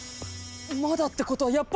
「まだ」ってことはやっぱり！